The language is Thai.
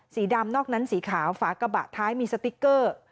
สีดำนอกนั้นสีขาวฝากระบะท้ายมีสติ๊กเกอร์